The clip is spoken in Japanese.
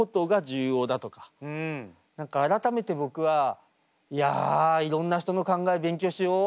何か改めて僕は「いやいろんな人の考え勉強しよう。